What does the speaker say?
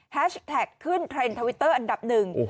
แท็กขึ้นเทรนด์ทวิตเตอร์อันดับหนึ่ง